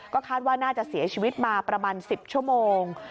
คาดว่าน่าจะเสียชีวิตมาประมาณ๑๐ชั่วโมง